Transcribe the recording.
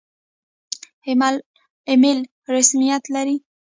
ایمیل رسمیت لري؟